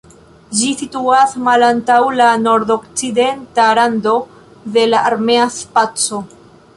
Ĝi situas malantaŭ la nordokcidenta rando de la armea spaco.